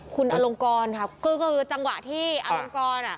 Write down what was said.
คุณอลงกรครับก็คือจังหวะที่อลงกร